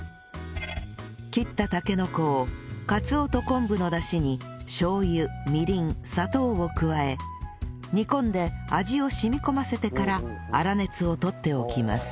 切ったたけのこをかつおと昆布のダシにしょう油みりん砂糖を加え煮込んで味を染み込ませてから粗熱を取っておきます